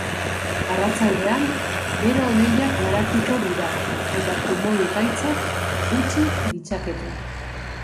Arratsaldean, bero-hodeiak garatuko dira eta trumoi-ekaitzak utzi ditzakete.